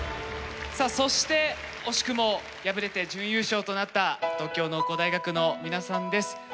さあそして惜しくも敗れて準優勝となった東京農工大学の皆さんです。